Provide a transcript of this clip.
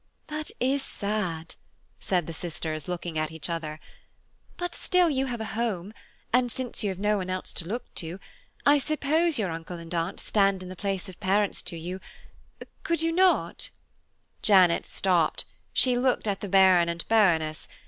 "That is sad," said the sisters, looking at each other, "but still you have a home, and since you have no one else to look to, I suppose your uncle and aunt stand in the place of parents to you; could you not–" Janet stopped, she looked at the Baron and Baroness.